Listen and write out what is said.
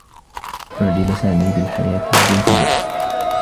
أُعجب سامي بالحياة الرّيفيّة.